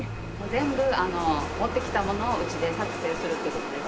全部持ってきたものをうちで作成するって事です。